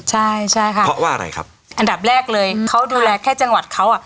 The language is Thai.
ใช่ใช่ค่ะเพราะว่าอะไรครับอันดับแรกเลยเขาดูแลแค่จังหวัดเขาอ่ะ